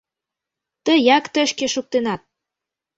Тыяк тышке шуктенат!..